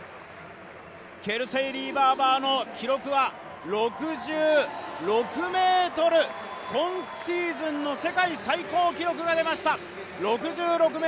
ケルセイ・リー・バーバーの記録は６６ｍ、今シーズンの世界最高記録が出ました。